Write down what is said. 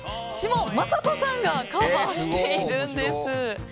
門真人さんがカバーしているんです。